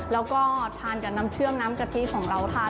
แล้วก็ทานกับน้ำเชื่อมน้ำกะทิของเราทาน